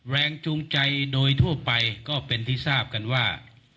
แรงจูงใจโดยทั่วไปก็เป็นที่ทราบกันว่า